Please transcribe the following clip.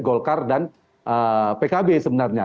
golkar dan pkb sebenarnya